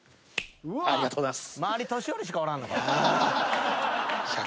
ありがとうございます。